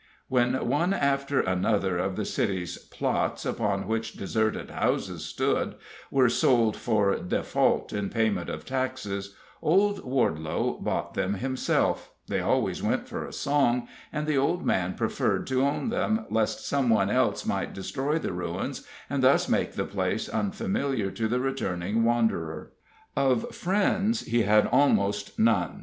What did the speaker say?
When one after another of the city's "plots," upon which deserted houses stood, were sold for default in payment of taxes, old Wardelow bought them himself they always went for a song, and the old man preferred to own them, lest some one else might destroy the ruins, and thus make the place unfamiliar to the returning wanderer. Of friends he had almost none.